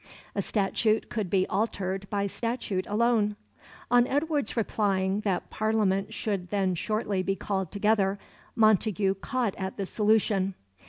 A statute could be altered by statute alone. On Edward's replying that Parliament should then shortly be called together, Montagu caught at the solution.